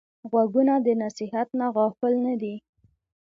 غوږونه د نصیحت نه غافل نه دي